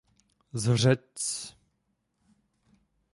Z řec.